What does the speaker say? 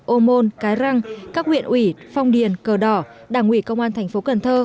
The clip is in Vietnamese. ô môn cái răng các huyện ủy phong điền cờ đỏ đảng ủy công an thành phố cần thơ